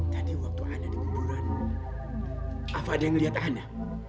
tadi waktu ana di kuburan apa ada yang ngeliat ana